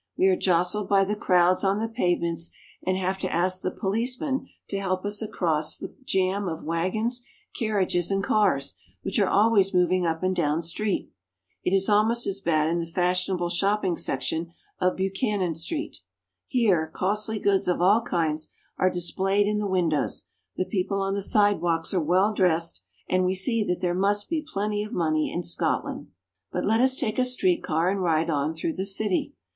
We are jostled by the crowds on the pavements, and have to ask the policemen to help us "We take a walk down Argyle Street." across through the jam of wagons, carriages, and cars, which are always moving up and down street. It is almost as bad in the fashionable shopping section of Buchanan Street. Here costly goods of all kinds are displayed in the windows, the people on the sidewalks are well dressed, and we see that there must be plenty of money in Scotland. But let us take a street car and ride on through the city.